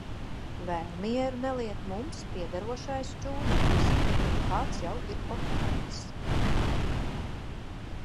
Vēl mieru neliek mums piederošais šķūnītis, kuru kāds jau ir okupējis.